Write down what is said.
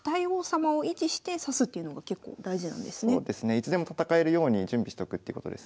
いつでも戦えるように準備しとくってことですね。